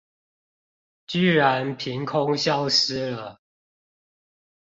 居然憑空消失了